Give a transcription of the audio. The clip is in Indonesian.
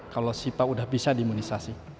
kalau syifa udah bisa di imunisasi